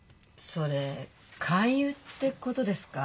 それ勧誘ってことですか？